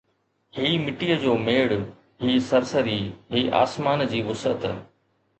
هي مٽيءَ جو ميڙ، هي سرسري، هي آسمان جي وسعت